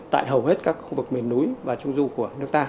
tại hầu hết các khu vực miền núi và trung du của nước ta